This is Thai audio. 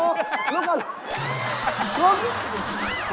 ลุก